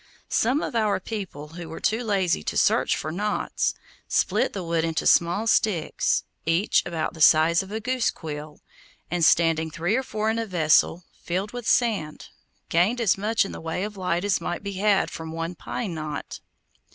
Some of our people, who were too lazy to search for knots, split the wood into small sticks, each about the size of a goose quill, and, standing three or four in a vessel filled with sand, gained as much in the way of light as might be had from one pine knot.